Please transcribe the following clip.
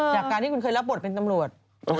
จากการที่คุณเคยรับบทเป็นตำรวจ